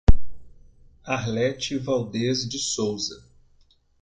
Arlete Valdez de Souza